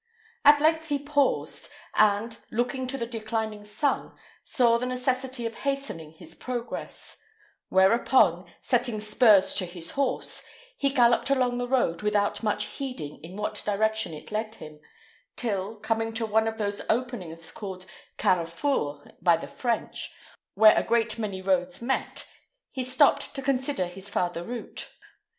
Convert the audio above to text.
At length he paused, and, looking to the declining sun, saw the necessity of hastening his progress; whereupon, setting spurs to his horse, he galloped along the road without much heeding in what direction it led him, till, coming to one of those openings called carrefours by the French, where a great many roads met, he stopped to consider his farther route.